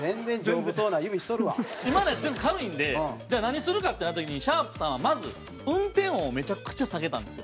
水田：今のやつ、全部軽いんでじゃあ、何するかってなった時にシャープさんは、まず運転音をめちゃくちゃ下げたんですよ。